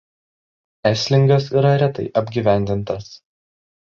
Eslingas yra retai apgyvendintas.